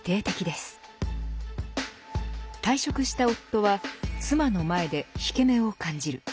退職した夫は妻の前で引け目を感じる。